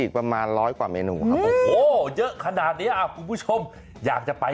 ข้างบัวแห่งสันยินดีต้อนรับทุกท่านนะครับ